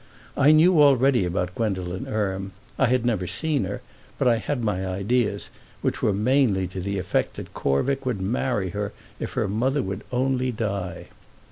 I knew already about Gwendolen Erme; I had never seen her, but I had my ideas, which were mainly to the effect that Corvick would marry her if her mother would only die.